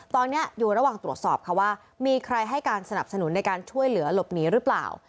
ตอนนี้อยู่ระหว่างตรวจสอบค่ะว่ามีใครให้การสนับสนุนในการช่วยเหลือหลบหนีหรือเปล่า